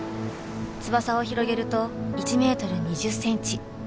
翼を広げると１メートル２０センチ。